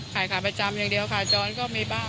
ขายขาประจำอย่างเดียวขาจรก็มีบ้าง